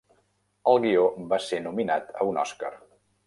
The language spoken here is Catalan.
El guió va ser nominat a un Oscar.